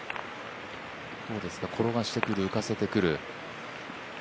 転がしてくる、浮かせてくる、どうですか？